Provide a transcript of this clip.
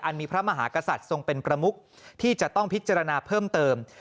มีพระมหากษัตริย์ทรงเป็นประมุกที่จะต้องพิจารณาเพิ่มเติม